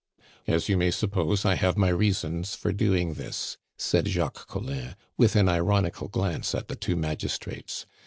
"As you may suppose, I have my reasons for doing this," said Jacques Collin, with an ironical glance at the two magistrates.